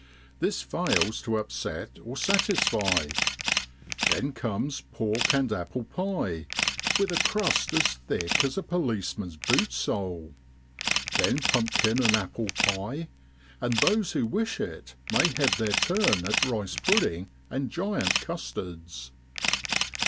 This fails to upset or satisfy. Then comes pork and apple pie, with a crust as thick as a policeman's boot sole; then pumpkin and apple pie, and those who wish it may have their turn at rice pudding and giant custards.